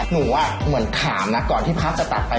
หนูเหมือนถามนะก่อนที่ภาพจะตัดไป